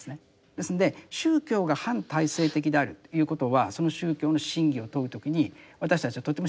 ですんで宗教が反体制的であるということはその宗教の真偽を問う時に私たちはとても慎重に判断しなければならない。